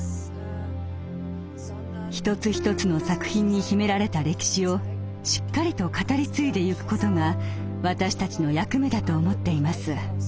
一つ一つの作品に秘められた歴史をしっかりと語り継いでゆくことが私たちの役目だと思っています。